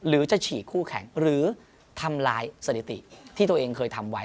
หรือจะฉีกคู่แข่งหรือทำลายสถิติที่ตัวเองเคยทำไว้